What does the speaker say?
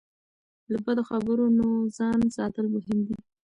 له بدو خبرونو ځان ساتل مهم دي.